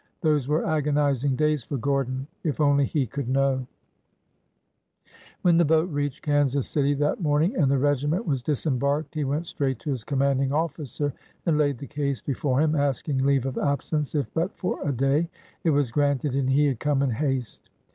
Those were agonizing days for Gordon. If only he could know ! When the boat reached Kansas City that morning and the regiment was disembarked he went straight to his commanding officer and laid the case before him, asking leave of absence, if but for a day. It was granted and he had come in haste.